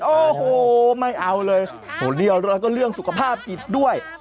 โอ้โหไม่เอาเลยโอ้โหแล้วก็เรื่องสุขภาพจิตด้วย